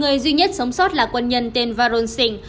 người duy nhất sống sót là quân nhân tên varun singh